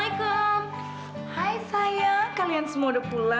cepetan bantuin gue